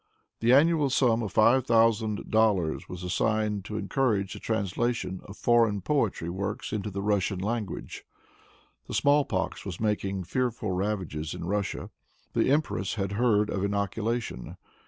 The annual sum of five thousand dollars was assigned to encourage the translation of foreign literary works into the Russian language. The small pox was making fearful ravages in Russia. The empress had heard of inoculation.